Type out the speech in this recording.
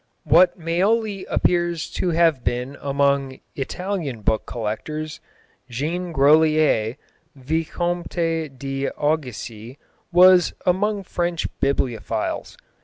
What Maioli appears to have been among Italian book collectors, Jean Grolier, Vicomte d'Aguisy, was among French bibliophiles.